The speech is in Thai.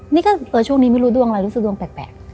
นี่ก็ช่วงนี้ไม่รู้ดวงอะไรรู้สึกดวงแปลก